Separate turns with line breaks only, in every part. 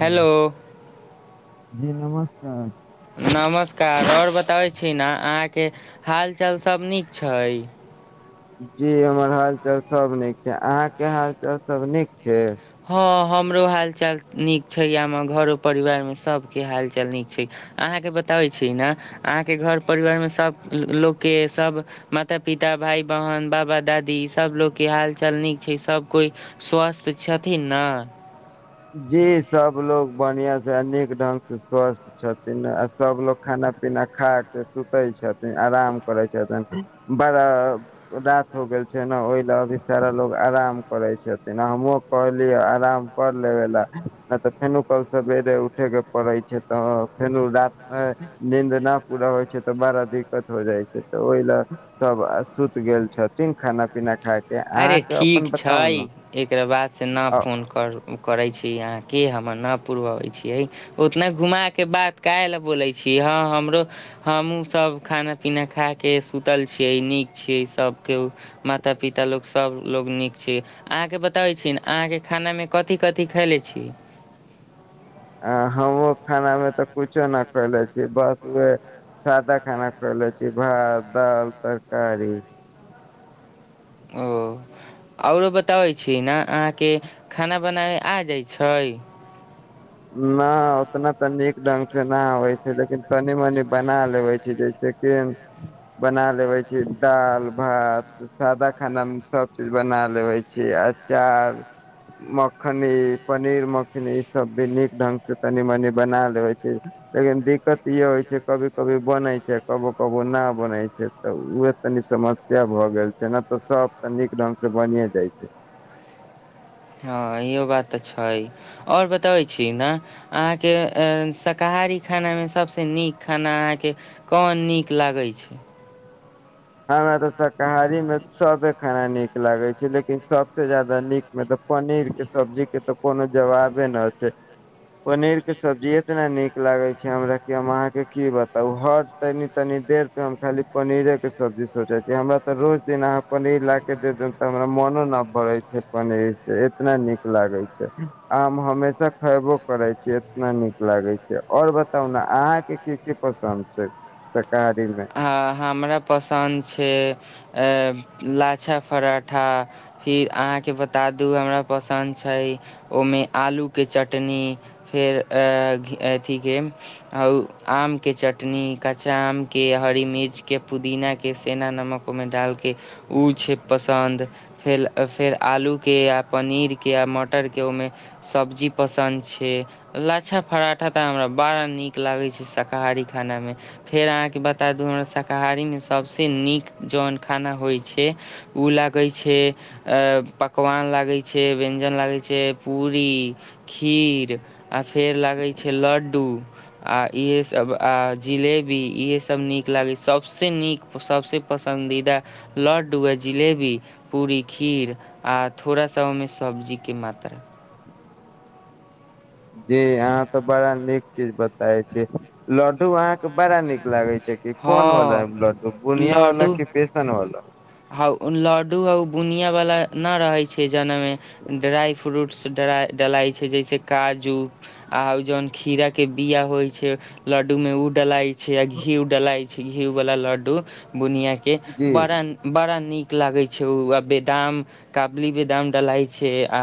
Hello
जी नमस्कार
नमस्कार और बताबै छी ना अहाँके हाल चाल सभ नीक छै [inaudible]
जी हमर हालचाल सब नीक छै अहाँ के हालचाल सब नीक छै
ह हमरो हाल चाल नीक छै आ हमर घरो परिवार मे सब के हाल चाल नीक छै अहाँ के बताबै छी ना अहां के घर परिवार में सब ल लोग के सब माता पिता भाई बहन बाबा दादी सब लोग के हाल चाल नीक छै सब कोई स्वस्थ छथिन न
जी सबलोग बढ़ियां से आ नीक ढंग से स्वस्थ छथिन आ सबलोग खाना खाना पीना खा के सुतय छथिन आराम करे छथिन बड़ा रात हो गेल छै ने ओहि लऽ कऽ सारा लोग आराम करय छथिन हमहुँ कहलिय आराम कर लेबे ला नहि तऽ फेनु कल सवेरे उठे के पड़े छै तऽ फेनु रात मे नींद नहि पूरा होइ छै तऽ बड़ा दिक्कत हो जाइ छै तऽ ओहि ले सब सुति गेल छथि थिन खाना पीना खाय
अरे ठीक छै एकरा बादसँ न फोन करू करय छी अहाँके हमर न पूरबाबै छियै ओतना घुमाके बात काहेल बोलै छी कि हँ हमरो हमहुँ सब खाना पीना खाके सुतल छियै नीक छियै सब केओ माता पिता लोक सभलोग नीक छियै अहाँकेँ बताबै छी अहाँके खानामे कथि कथि खयले छी [inaudible]
आ हमहुँ खानामे तऽ कुछो नहि खयले छियै बस उहे सादा खाना खैले छी भात दाल तरकारी
ओ आओरो बताबैय छी न अहाँके खाना बनाबैय आ जाइ छै
न उतना त नीक ढंग से न आबैय छै लेकिन तनी मनी बना लेबैय छी जैसे लेकिन बना लेबैय छी दाल भात सादा खानामे सब चीज बना लेबैय छी अचार मखनी पनीर मखनी सब्जी नीक ढंग से कनी मनी बना लेेबैय छी, लेकिन दिक्कत इ होय छैय कभी कभी बनैय छैय कबो कबो न बनैय छै त उएह तनी समस्या भऽ गेल छै न तऽ सब तऽ नीक ढंग से बनिए जाइ छै
[unintelligible] हँ इहो बात त छैय, आओर बताबैय छी ने अहाँके शाकाहारी शाकाहारी खानामे सबसँ नीक खाना अहाँके कोन नीक लागैय छैय?
हमरा त शाकाहारीमे सभे खाना नीक लागैय छै लेकिन सभसँ जायदा नीकमे तऽ प पनीर के सब्जी के त कोनो जबाबे न छै पनीर के सब्जी एतना नीक लागैय छै हमरा की हम अहाँके की बताउ हर तनी तनी देर पर हम खाली पनीरे के सब्जी सोचैय छियैय, हमरा त रोज दिन अहाँ पनीर ला के दे दे त हमरा मनो न भरैय छैय पनीर सँ एतना नीक लागैय छैय, आ हम हमेशा खैबो करैय छी एतना नीक लागैय छैय से आओर बताउ न अहाँके की की पसन्द छै शाकाहारीमे
हमरा पसन्द छैय लाछा पराठा फिर अहाँ के बता दु हमरा पसन्द छै ओहिमे आलु के चटनी फेर अथी के हउ आम के चटनी कच्चा आमके हरी मिर्च के पुदीना के सेंधा नमक ओहिमे डालके उ छैय पसन्द फेर फेर आलुके आ पनीरके आ मटरके ओहिमे सब्जी पसन्द छै लाच्छा पराठा तऽ हमरा बड़ा नीक लागैय छै शाकाहारी खानामे फेर अहाँके बता दु हमरा शाकाहारीमे सबसँ नीक जौन खाना होइ छैय उ लागैय छै पकवान लागैय छैय व्यञ्जन लागैय छैय पुरी खीर आ फेर ला लागैय छैय लड्डू आ इएह सब आ जिलेबी इएह सब नीक लागैय छै सबसँ नीक सबसँ पसन्दीदा लड्डू आ जिलेबी पुरी खीर आ थोड़ा सा ओहिमे सब्जीके मात्रा
जी अहाँ त बड़ा नीक चीज बताबैय छी लड्डू अहाँ के बड़ा नीक लागैय छै की कोन बाला लड्डू बुनियां वाला कि बेसन बाला
ह उ लड्डू बुनियां बाला नै रहैय छैय जौनामे ड्राइ फ्रूट्स डलाइ छैय जैसे काजु, आ जौन खीरा के बिया होइ छैय लड्डूमे उ डलाइ छैय आ घी डलाइ छैय घी बाला लड्डू बुनियां के, बड़ा नीक-बड़ा नीक। लागैय छैय उ आ बदाम, काबुली बदाम डलाइ छैय आ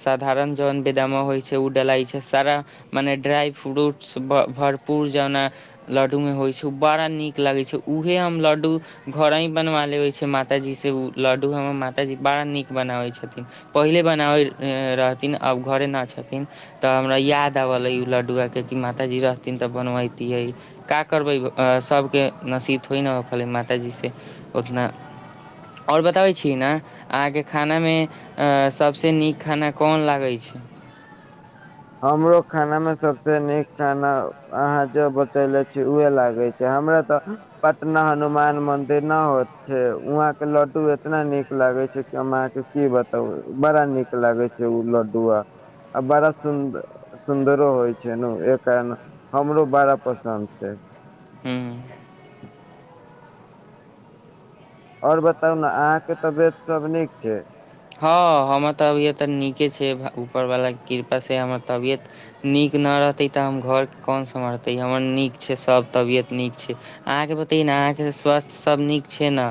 साधारण जेना बेदाना होइ छैय उ डलाइ छैय सारा मने ड्राई फ्रूट्स भरपूर जेना लड्डू मे होइ छैय उ बड़ा नीक लगैय छैय उहे हम लड्डू घरही बनवा लेबैय छियैय माताजी से उ लड्डू हमर माताजी बड़ा नीक बनाबैय छथिन, पहिले बनाबैय रहथिन आब घरे ना छथिन त हमरा याद आबलै उ लड्डुआ के कि माताजी रहथिन त बनबैतिय। का करबै सबके नसीब थोरे न होखेलै माताजी सँ ओतना आओर बताबैय छी ने अहाँके खानामे सभसँ नीक खाना कोन लागैय छैय? छैय?
हमरो खाना मे सबसँ नीक खाना अहाँ जे बतैले छी उएह लागैय छैय। हमरा त पटना हनुमान मंदिर न होइ छैय उहां के लड्डू एतना नीक लागैय छैय कि हम अहाँके की बताउ बड़का नीक लागैय छैय उ लड्डुआ, आ बड़ा सुन्दरो होइ छैय न एहि कारण हमरो बड़ा पसन्द छैय।
ह्म्म।
आओर बताउ न अहाँके तबियत सब नीक छैय
ह हमर तबियत नीके छै ऊपर वाला के कृपा से हमर तबियत नीक न रहतै तऽ हम घर के कोन सम्हारतै हमर नीक छै सब तबियत नीक छै अहाँ के बतैयो ने अहाँक स्वास्थ्य सभ नीक छै न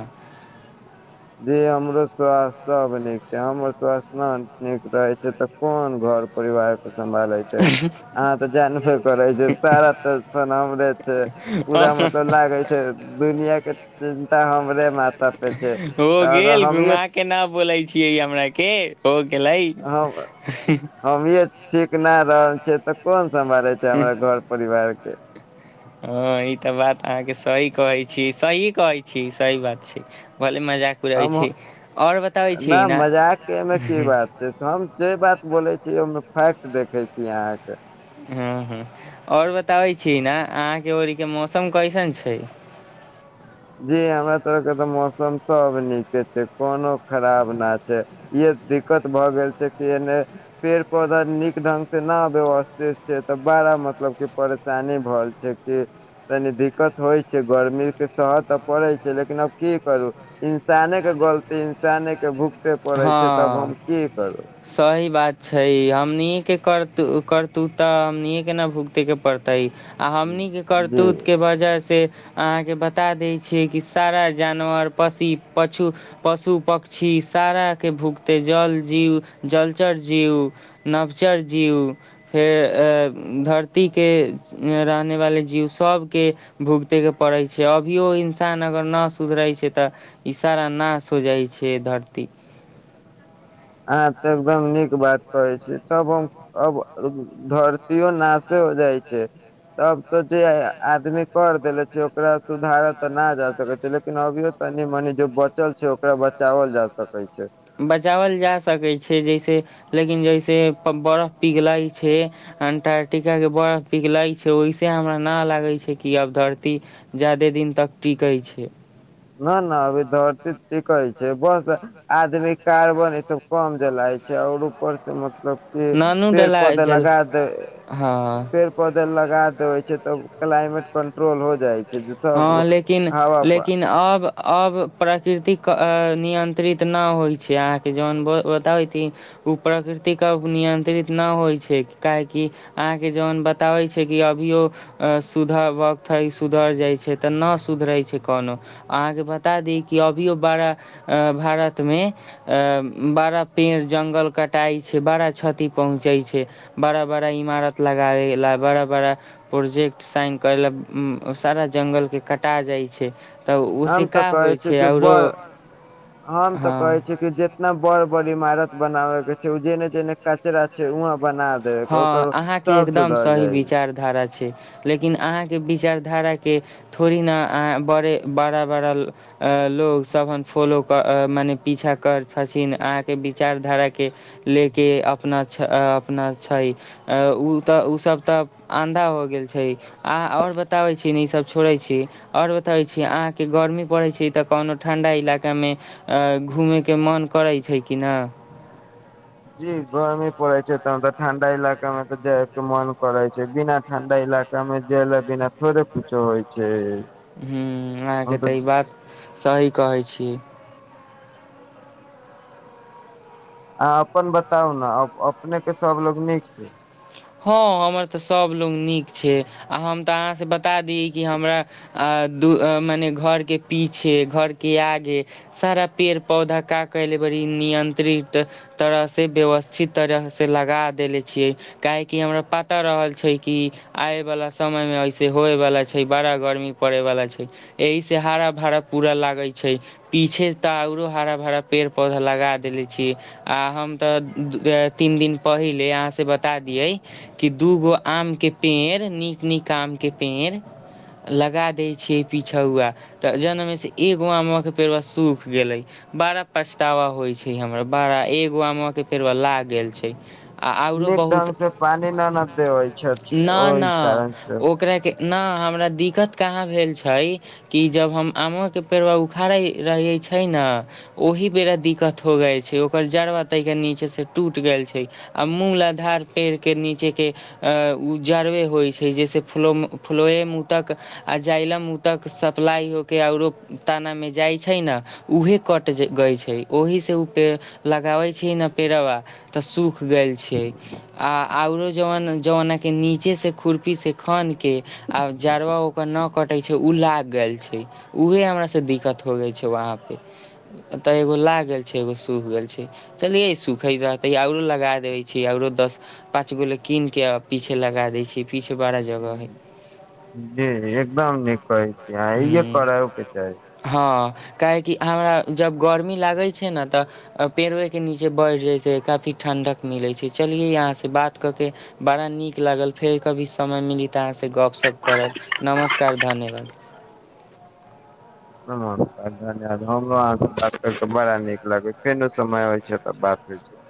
जी हमरो स्वास्थ सब नीक छै हमर स्वास्थ न नीक रहे छै तऽ कोन घर घर परिवार के सम्भालै छै अहाँ तऽ जानबे करै छै सारा टेंशन हमरे छै पूरा मतला गे छै दुनिया के चिन्ता हमरे माथा पे छै
गेल घुमा के न बोले छियै हमरा के ओ
हम हमीये ठीक ना रहल छियै तऽ कोन
हं हँ ई तऽ बात अहाँके सही कहै छ ठी सही कहै छी सही बात छी भले मजाक उराइत छी
ना मजाक के एमे की बात छै हम जे बात बोलै छिये ओहि में फैक देखै छी अहाँ के
हं हं आओर बताबै छी ने अहाँ के ओरी के मौसम कैइसन छै [unintelligible] [inaudible]
जी हमरा तरह के तऽ मौसम सब नीके छै कोनो खराब ना छै ई दिक्कत भऽ गेल छै कि एने पेड़ पौधा नीक ढंग से ना व्यवस्थित छै तऽ मतलब क परेशानी भल छै कि तनी दिक्कत होइ छै गर्मी के शहत तऽ पड़ै छै लेकिन अब की करू इंसाने के गलती इंसाने के भुक करे पड़ै छै तब हम की करू
छै हमनीये के करतु करतूत तऽ हमनीये के ने भुगते के पड़तै आ हमनी के करतूत के वजह से अहाँके बता दै छै कि सारा जानवर पशी पछु पशु पक्षी सारा के भुकतै जल जीउ जलचर जीउ नवचर जीउ फेर ए धरती के रहने वाले जीव सबके भुगतै के पड़ छै अभियो इन्सान अगर ना सुधरै छै तऽ इ सारा नाश हो जाइ छै धरती ती
अहं त एकदम नीक बात कहे छी तब हम अब धरतियो नाासे हो जाय तब तऽ जे आदमी कर देले छै ओकरा सुधारक त ना जा सके छै लेकिन अभियो तनी मनी जो बचल छै ओकरा बचाावल जा सकय छै
बचाओल जा सकै छै जइसे लेकिन जइसे बरफ पिघलै छै अंटार्टिका के बर्फ पीघलाय छै ओहिसे हमरा ना लागै छै कि अब धरती जादे दिन तक टिकै छै
न न अभी धरती टीकै छै बस आदमी कार्बन ई सब कम जलाय छै और ऊपर से मतलब की पेड़ पौधा लग काद पेड़ पौधा लगा देबे छै तऽ क्लाइमेट कंट्रोल हो जाइ छै जे सब
किन लेकिन आब आब प्रकृतिक नियंत्रित न होइ छै अहाँ के जउन बताबती उ प्रकृति के नियंत्रित न होइ छै काहे कि अहाँके जन बताबै छै कि अभियो अं सुधर वक्त है सुधर जे कै छै त न सुधरई छै कोनो अहाँ के बता दी कि अभियो बारा आं भारत में अ बड़ा पेड़ जंगल कटाइ छै बड़ा क्षति पहुँचै छै बड़ा बड़ा इमारत लगाबे ला बड़ा बड़ा प्रोजेक्ट साइन करे ला उ सारा ज जंगल के कटा जाय छै त उ से का होय छै अउरो
कहे छै कि जितना बड़ बड़ इमारत बनावे के छै उ जेने जेने कचरा छै उहाँ
हँ अहाँ के एकदम सही विचारधारा छै लेकिन अहाँ के विचारधारा के थोड़ी न अहाँ बड़े बड़ा बड़ा ल अ लोग सब हन फोलो क अ मने पीछा कर छथिन अहाँके विचारधारा के लेल के अपना छ अ अपना छै उ त ओ सब तऽ अँधा हो गेल छै अहां आओर बताबै छी ने ई सब छोड़ै छी और बतबै छी अहाँके गर्मी पड़ै छी तऽ कोनो ठण्डा इलाकामे अ घूमैके मन करै छैय की न
गर्मी पड़े छै तहन त ठंडा इलाका में त जाय के मन करै छै बिना ठंडा इलाका में मेजेले बिना थोड़े कूछो होय छैय
हू अहाँके तऽ ई बात सही कहै छी
अहा अपन बताउ न अपनेके सभलोग नीक छै
हँ हमर तऽ सभलोग नीक छैय हम तऽ अहाँ क बता दी की हमरा दु मने घर के पीछे घर के आगे सारा पेड़ पौधा का कैले बड़ी नियंत्रित तरह से व्यवस्थित तरह से लगा दैले छियै काहे कि हमरा पता रहल छैय कि आय वाला समय मे ऐसे होए वाला छै बड़ा गर्मी पड़े बाल वला छै एहिसँ हरा भरा पूरा लागै छैय पीछे ता और हरा भरा पेड़ पौधा पौधा लगा देले छी आ हम तऽ तीन दिन पहिले आहाँ से बता दिए की दू गो आमकें पेड़ नीक नीक आमकें पेड़ लगा दैय छियै पीछौआ जना मे से एगो आम के पेड़वा सूख गेलै बाड़ा पछतावा होय छैय हमरा बड़ा एगो आमबा के पेड़वा लाग गेल छैय आ औरो बहुत न न ओकरा के न हमरा दिक्कत कहाँ भेल छैय कि जब हम आमवा के पेड़बा उखाड़े रहियै छैय न ओहि बेरा दिक्कत हो जाय छै ओकर जड़बा तहिके नीचा से टूट गेल छैय आ मूल आधार पेड़ के नीचे के अ उ जरबे होइ छै जेसे फलोमो फलोये मुँह तक आ जाय एलम मुंह तक सप्लाई हो के औरो ताना में जाय छैय न उहे कट ज गैय छै ओहिसँ उपे लगाबै छीय न पेराबा तऽ सूख गेल छैय आ औरो जौवन जौना के नीचे से खुरपी से खन के आ जड़वा ओकर न कटै छै उ लाग गेल छै उहे हमरा से दिक्कत होबे छै वाहां पे अतऽ एगो ला गेल छैय एगो सुख गेल छैय चलिय सुखैत रहतै औरो लगा दैए छै औरो दस पाँच गो ले कीन के आ पीछे लगा दैय छीय या जग हय
जी एकदम नीक कहै छीयै इहे करवो के चाही
काहेकि हमरा जब गर्मी लागै छैय न तऽ पेड़वे के नीचे बैठ जाइत काफी ठंडक मिलै छैय चलिए यहा से बात कऽ के बड़ा नीक लागल फेर कभी समय मिली तऽ अहाँ से गप सप करब नमस् कर धन्यवाद
नमस्कार धन्यवाद हमरो अहाँ से बात कैर के बड़ा नीक लागै फेनो समय आबै छैय तऽ बात दैछै